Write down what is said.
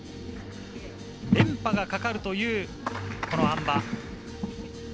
連覇がかかるという、あん馬。